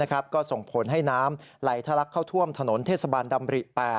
ก็ส่งผลให้น้ำไหลทะลักเข้าท่วมถนนเทศบาลดำริ๘